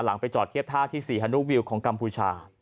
ไปจอดเทียบท่าที่ศรีฮานุวิวของกัมพูชา